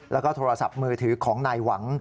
แล้วก็โทรศัพท์มือถือของนายหวัง